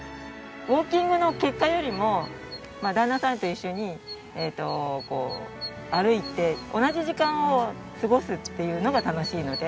ウォーキングの結果よりも旦那さんと一緒に歩いて同じ時間を過ごすっていうのが楽しいので。